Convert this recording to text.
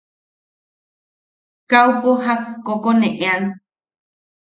Kaupo jak kokoneʼan.